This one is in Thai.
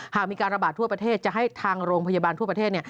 หากมีการระบาดทั่วประเทศจะให้ทางโรงพยาบาลทั่วประเทศ